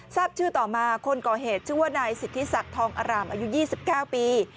ทราบชื่อต่อมาคนก่อเหตุชื่อว่านายสิทธิศักดิ์ทองอารามอายุ๒๙ปี